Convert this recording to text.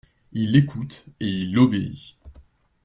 Il écoute et il obéit.